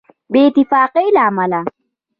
بې اتفاقۍ له امله.